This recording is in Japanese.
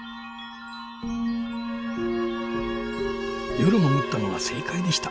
夜潜ったのが正解でした。